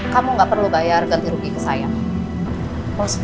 kamu gak perlu bayar ganti rugi ke saya